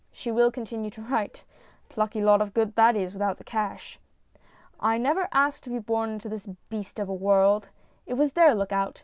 She will continue to write. ... Plucky lot of good that is without the cash. I never asked to be born into this beast of a world. It was their look out.